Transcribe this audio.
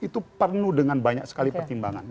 itu penuh dengan banyak sekali pertimbangan